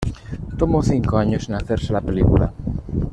Tomó cinco años en hacerse la película.